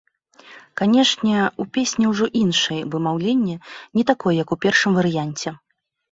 Канешне, у песні ўжо іншае вымаўленне, не такое, як у першым варыянце.